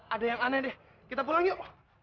ada yang aneh deh kita pulang yuk pak